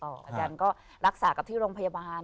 แล้วก็รักษากับที่โรงพยาบาล